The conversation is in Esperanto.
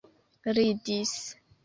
ridis